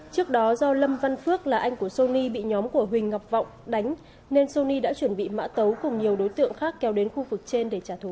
trước đó do lâm văn phước là anh của sô ni bị nhóm của huỳnh ngọc vọng đánh nên sô ni đã chuẩn bị mã tấu cùng nhiều đối tượng khác kéo đến khu vực trên để trả thù